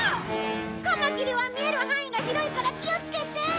カマキリは見える範囲が広いから気をつけて！